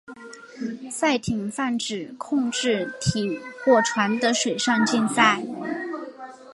赛艇泛指控制艇或船的水上竞赛。